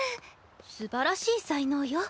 すばらしい才能よ。